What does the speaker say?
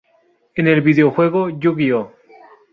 En el videojuego Yu-Gi-oh!